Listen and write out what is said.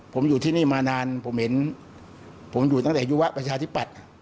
ผมอยู่ที่นี่มานานผมเห็นผมอยู่ตั้งแต่อายุวะประชาธิปัตย์